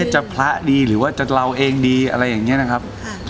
จะพระดีหรือว่าจะเราเองดีอะไรอย่างนี้นะครับ